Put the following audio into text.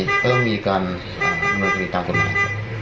เป็นเรื่องอาจารย์